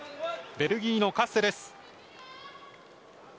ベルギーのカッセです。